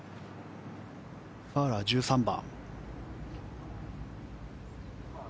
ファウラー、１３番。